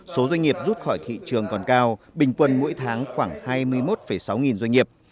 số doanh nghiệp rút khỏi thị trường còn cao bình quân mỗi tháng khoảng hai mươi một sáu nghìn doanh nghiệp